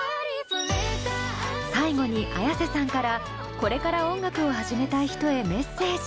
最後にＡｙａｓｅさんからこれから音楽を始めたい人へメッセージ。